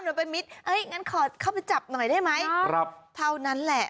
มันเป็นมิตรเอ้ยงั้นขอเข้าไปจับหน่อยได้ไหมเท่านั้นแหละ